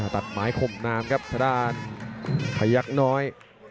ตัดหมายคมน้ำครับพยักษ์น้อย